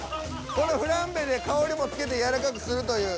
このフランベで香りも付けてやわらかくするという。